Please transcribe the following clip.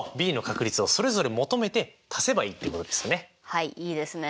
はいいいですね。